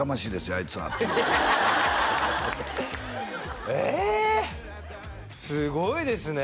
あいつはえすごいですね